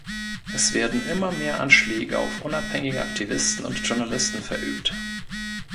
Es werden immer mehr Anschläge auf unabhängige Aktivisten und Journalisten verübt.